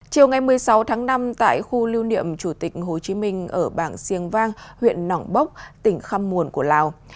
chiều ngày một mươi sáu tháng năm tại khu lưu niệm chủ tịch hồ chí minh ở bảng siêng vang huyện nỏng bốc tỉnh khăm muồn của lào